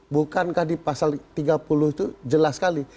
bukankah di pasal tiga puluh itu jelas sekali